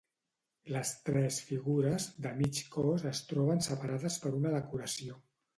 Les tres figures, de mig cos es troben separades per una decoració.